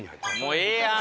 もうええやん！